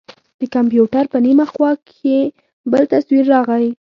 د کمپيوټر په نيمه خوا کښې بل تصوير راغى.